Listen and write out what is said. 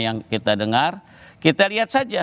yang kita dengar kita lihat saja